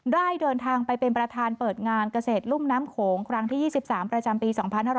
ได้เดินทางไปเป็นประธานเปิดงานเกษตรรุ่มน้ำโขงครั้งที่๒๓ประจำปี๒๕๕๙